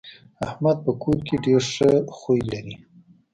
احمد په کور کې ډېر ښه خوی لري.